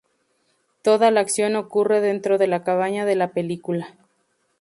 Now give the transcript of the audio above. Toda la acción ocurre dentro de la cabaña de la película.